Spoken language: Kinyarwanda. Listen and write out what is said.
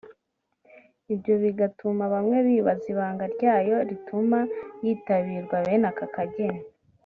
ibyo bigatuma bamwe bibaza ibanga ryayo rituma yitabirwa bene ako kageni